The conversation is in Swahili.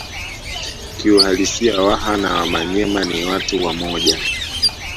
Kiuhalisia Waha na Wamanyema ni watu wamoja